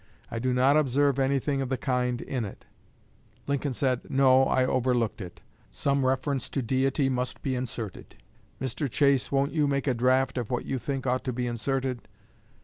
I do not observe anything of the kind in it." Lincoln said: "No, I overlooked it. Some reference to Deity must be inserted. Mr. Chase, won't you make a draft of what you think ought to be inserted?"